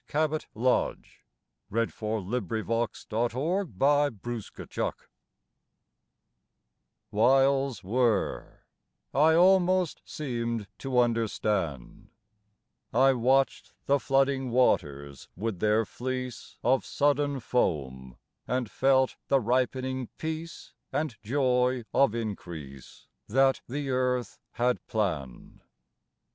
Death, death, and fragile life that weeps and dies. 105 XII WHILES were, I almost seemed to understand ; I watched the flooding waters with their fleece Of sudden foam, and felt the ripening peace And joy of increase that the earth had planned.